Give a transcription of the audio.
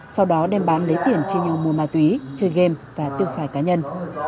sau đó đem bán lấy tiền trên nhau mua ma túy chơi game và tiêu sải cá nhân